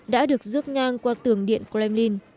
đã được rước ngang qua tường điện kremlin